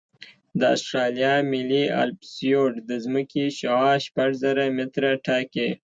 د اسټرالیا ملي الپسویډ د ځمکې شعاع شپږ زره متره ټاکي